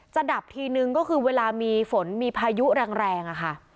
ดับทีนึงก็คือเวลามีฝนมีพายุแรงอะค่ะ